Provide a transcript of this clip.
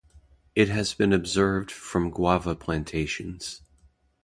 It has been observed from guava plantations.